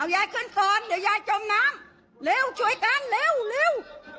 ยายขึ้นก่อนเดี๋ยวยายจมน้ำเร็วช่วยกันเร็ว